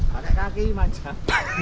pada kaki manjat